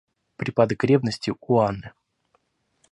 Припадок ревности у Анны.